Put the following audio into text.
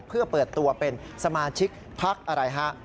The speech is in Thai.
เพื่อเปิดตัวเป็นสมาชิกพักอะไรฮะ